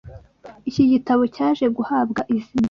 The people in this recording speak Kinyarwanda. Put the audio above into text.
iki gitabo cyaje guhabwa izina